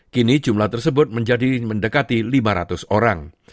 kini jumlah tersebut menjadi mendekati lima ratus orang